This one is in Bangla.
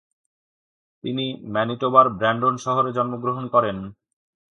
তিনি ম্যানিটোবার ব্র্যান্ডন শহরে জন্মগ্রহণ করেন।